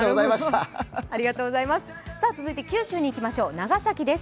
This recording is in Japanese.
続いて九州に行きましょう、長崎です。